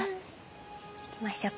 行きましょうか。